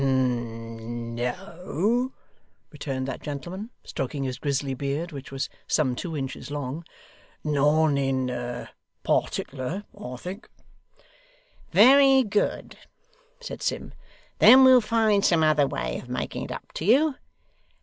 'N no,' returned that gentleman, stroking his grizzly beard, which was some two inches long. 'None in partickler, I think.' 'Very good,' said Sim; 'then we'll find some other way of making it up to you.